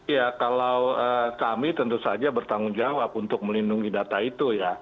ya kalau kami tentu saja bertanggung jawab untuk melindungi data itu ya